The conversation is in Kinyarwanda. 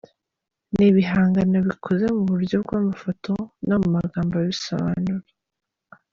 Ni ibihangano bikoze mu buryo bw’amafoto no mu magambo abisobanura.